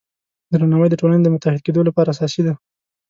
درناوی د ټولنې د متحد کیدو لپاره اساسي دی.